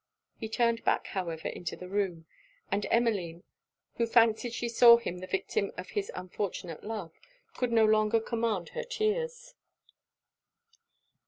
He turned back, however, into the room; and Emmeline, who fancied she saw him the victim of his unfortunate love, could no longer command her tears.